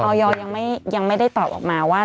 ยังไม่ได้ตอบออกมาว่า